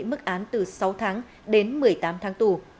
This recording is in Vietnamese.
mức án từ sáu tháng đến một mươi tám tháng tù